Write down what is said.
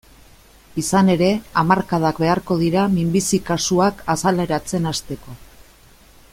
Izan ere, hamarkadak beharko dira minbizi kasuak azaleratzen hasteko.